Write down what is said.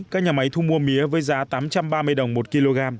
các nhà máy thu mua mía với giá tám trăm ba mươi đồng một kg